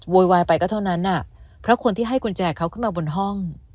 วายไปก็เท่านั้นอ่ะเพราะคนที่ให้กุญแจเขาขึ้นมาบนห้อง